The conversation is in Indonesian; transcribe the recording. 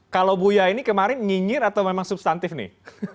kalau buya ini kemarin nyinyir atau memang substantif nih